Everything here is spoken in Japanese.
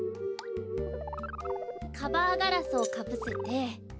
カバーガラスをかぶせて。